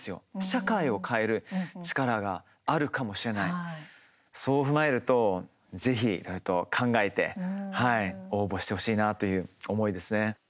社会を変える力があるかもしれない、そう踏まえるとぜひ、考えて応募してほしいなという思いですね。